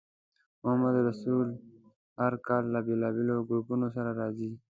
محمدرسول هر کال له بېلابېلو ګروپونو سره راځي.